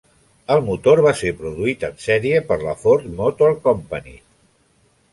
El motor va ser produït en sèrie per la Ford Motor Company.